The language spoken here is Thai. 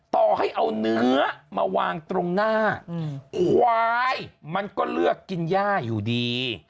ต่อให้เอาเนื้อมาวางตรงหน้าควายมันก็เลือกกินย่าอยู่ดี